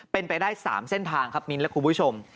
เป็นไปได้๓เส้นทางครับมิ้นและคุณผู้ชม